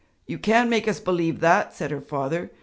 'You can't make us believe that,' said her father.